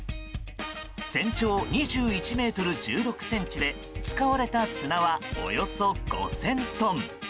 全長２１ｍ１６ｃｍで使われた砂はおよそ５０００トン。